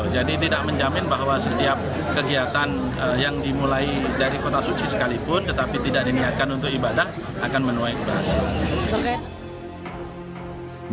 tidak menjamin bahwa setiap kegiatan yang dimulai dari kota suksi sekalipun tetapi tidak diniatkan untuk ibadah akan menuai keberhasilan